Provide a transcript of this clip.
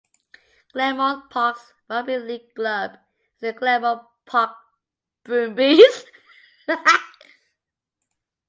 Glenmore Park's rugby league club is the Glenmore Park Brumbies.